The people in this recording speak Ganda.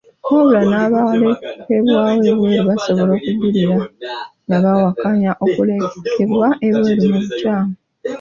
Wabula n'abalekebwa ebweru basobola okujulira nga bawakanya okulekebwa ebweru mu bukyamu.